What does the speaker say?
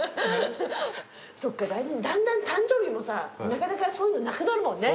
そっか来年だんだん誕生日もさなかなかそういうのなくなるもんね。